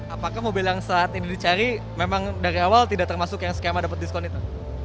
apakah mobil yang saat ini dicari memang dari awal tidak termasuk yang skema dapat diskon itu